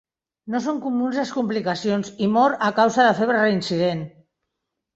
No són comuns les complicacions i mort a causa de febre reincident.